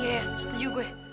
iya setuju gue